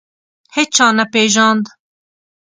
هیچا نه پېژاند.